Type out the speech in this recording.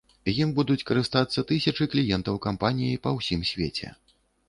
Ім будуць карыстацца тысячы кліентаў кампаніі па ўсім свеце.